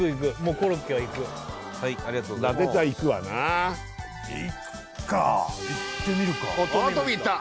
コロッケはいくはいありがとうございます伊達ちゃんいくわないくかいってみるかおっトミーいった